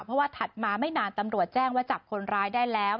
เพราะว่าถัดมาไม่นานตำรวจแจ้งว่าจับคนร้ายได้แล้ว